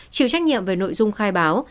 chịu trách nhiệm về nội dung khai báo